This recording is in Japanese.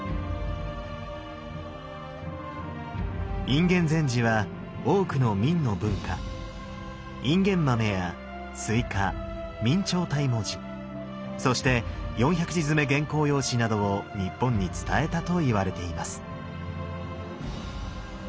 隠元禅師は多くの明の文化インゲン豆やすいか明朝体文字そして４００字詰め原稿用紙などを日本に伝えたといわれています。